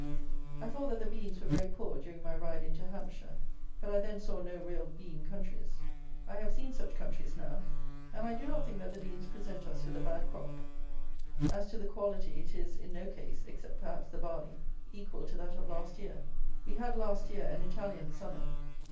I thought that the beans were very poor during my ride into Hampshire; but I then saw no real bean countries. I have seen such countries now; and I do not think that the beans present us with a bad crop. As to the quality, it is, in no case (except perhaps the barley), equal to that of last year. We had, last year, an Italian summer.